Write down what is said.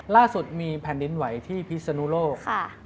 ล่าสุดมีแผ่นดินไหวที่พิศนุโลก